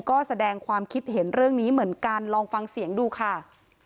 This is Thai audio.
ก็แสดงความคิดเห็นเรื่องนี้เหมือนกันลองฟังเสียงดูค่ะ